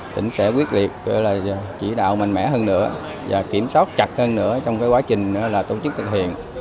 tỉnh sẽ quyết liệt chỉ đạo mạnh mẽ hơn nữa và kiểm soát chặt hơn nữa trong quá trình tổ chức thực hiện